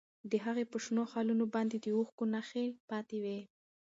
د هغې په شنو خالونو باندې د اوښکو نښې پاتې وې.